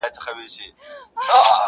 • پر سر وا مي ړوه یو مي سه تر سونډو..